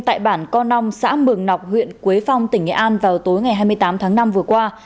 tại bản co ong xã mường nọc huyện quế phong tỉnh nghệ an vào tối ngày hai mươi tám tháng năm vừa qua